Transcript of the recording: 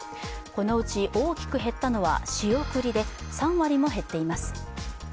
このうち大きく減ったのは仕送りで、３割も減っています。